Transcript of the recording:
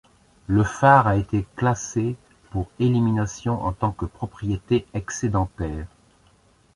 Le phare a été classé pour élimination en tant que propriété excédentaire.